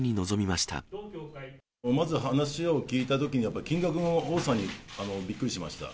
まず話を聞いたときに、やっぱり金額の多さにびっくりしました。